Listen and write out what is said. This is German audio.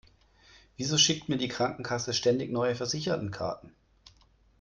Wieso schickt mir die Krankenkasse ständig neue Versichertenkarten?